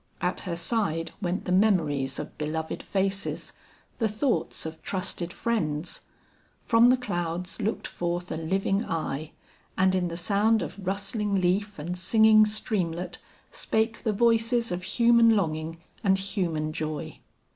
At her side went the memories of beloved faces, the thoughts of trusted friends. From the clouds looked forth a living eye, and in the sound of rustling leaf and singing streamlet, spake the voices of human longing and human joy.